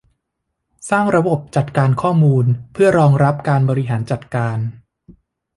สร้างระบบจัดการข้อมูลเพื่อรองรับการบริหารจัดการ